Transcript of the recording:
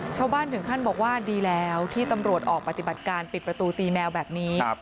ชาวบ้านถึงขั้นบอกว่าดีแล้วที่ตำรวจออกปฏิบัติการปิดประตูตีแมวแบบนี้